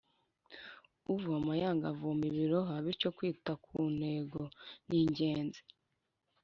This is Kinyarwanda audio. Uvoma yanga avoma ubiroha bityo kwita kuntego ni ingenzi